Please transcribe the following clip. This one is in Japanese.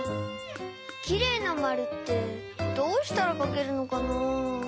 きれいなまるってどうしたらかけるのかなぁ。